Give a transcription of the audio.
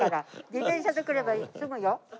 自転車で来ればすぐよ。